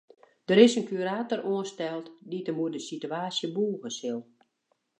Der is in kurator oansteld dy't him oer de sitewaasje bûge sil.